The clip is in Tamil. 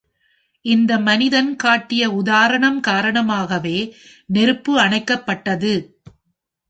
இந்த மனிதன் காட்டிய உதாரணம் காரணமாகவே நெருப்பு அணைக்கப்பட்டது.